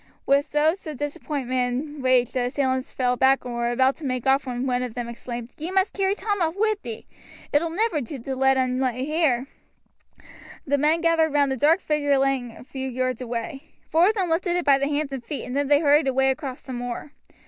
With oaths of disappointment and rage the assailants fell back and were about to make off when one of them exclaimed: "Ye must carry Tom off wi' thee. It ull never do to let un lay here." The men gathered round a dark figure lying a few yards away. Four of them lifted it by the hands and feet, and then they hurried away across the moor.